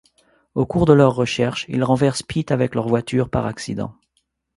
Au cours de leur recherche, ils renversent Pete avec leur voiture par accident.